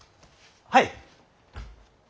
はい。